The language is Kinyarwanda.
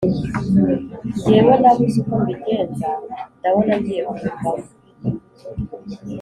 ngewe nabuze uko mbigenza ndabona ngiye kubivamo